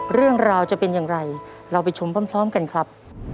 เรื่องราวจะเป็นอย่างไรเราไปชมพร้อมกันครับ